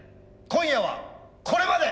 今夜はこれまで！